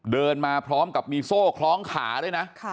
เดินมาพร้อมกับมีโซ่คล้องขาด้วยนะ